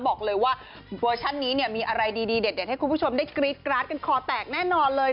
บอกเลยว่าเวอร์ชันนี้เนี่ยมีอะไรดีเด็ดให้คุณผู้ชมได้กรี๊ดกราดกันคอแตกแน่นอนเลย